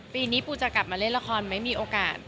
ปีนี้ปูจะกลับมาเล่นละครไหมมีโอกาส